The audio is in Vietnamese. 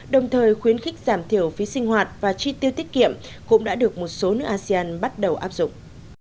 đồng thời khuyến khích giảm thiểu phí sinh hoạt và chi tiêu tiết kiệm cũng đã được một số nước asean bắt đầu áp dụng